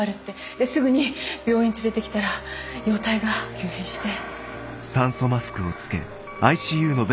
ですぐに病院連れてきたら容体が急変して。